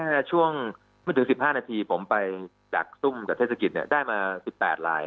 แค่ช่วงไม่ถึง๑๕นาทีผมไปดักซุ่มจากเทศกิจเนี่ยได้มา๑๘ลาย